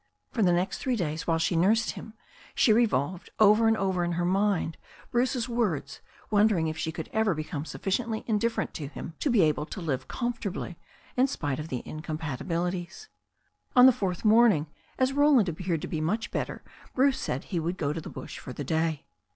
For the next three days, while she nursed him, she revolved over and over in her mind Bruce's words, wondering if she could ever be come sufficiently indifferent to him to be able to live com fortably, in spite of the incompatibilities. On the fourth morning, as Roland appeared to be much better, Bruce said he would go to the bush for the day.